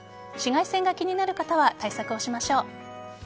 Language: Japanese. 紫外線が気になる方は対策をしましょう。